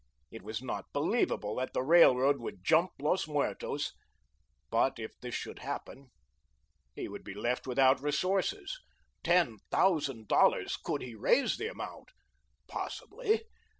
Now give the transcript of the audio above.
It was not believable that the Railroad would "jump" Los Muertos, but if this should happen, he would be left without resources. Ten thousand dollars! Could he raise the amount? Possibly.